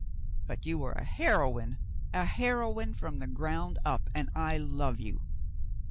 "But you were a heroine — a heroine from the ground up, and I love you."